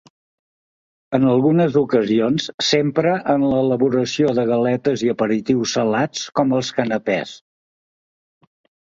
En algunes ocasions s'empra en l'elaboració de galetes i aperitius salats com els canapès.